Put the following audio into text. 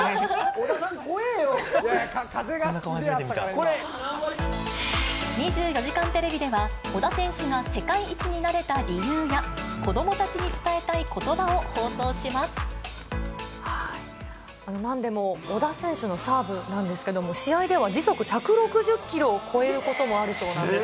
小田さん、風がすげえあったから、２４時間テレビでは、小田選手が世界一になれた理由や、子どもたちに伝えたいことばを放なんでも、小田選手のサーブなんですけども、試合では時速１６０キロを超えることもあるそうなんです。